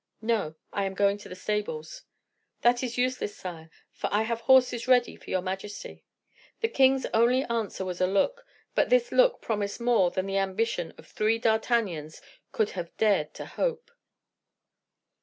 "No; I am going to the stables." "That is useless, sire, for I have horses ready for your majesty." The king's only answer was a look, but this look promised more than the ambition of three D'Artagnans could have dared to hope.